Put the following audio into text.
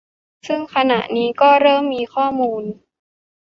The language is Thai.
ซึ่งขณะนี้ก็เริ่มมีข้อมูล